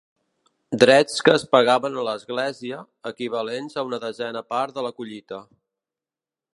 Drets que es pagaven a l'Església, equivalents a una desena part de la collita.